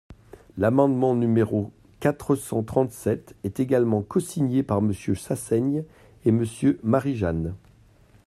L’amendement numéro quatre cent trente-sept est également cosigné par Monsieur Chassaigne et Monsieur Marie-Jeanne.